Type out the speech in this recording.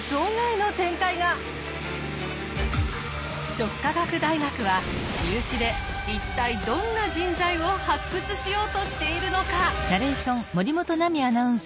食科学大学は入試で一体どんな人材を発掘しようとしているのか！？